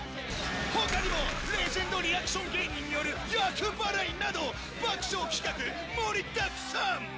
ほかにもレジェンドリアクション芸人による厄払いなど、爆笑企画盛りだくさん。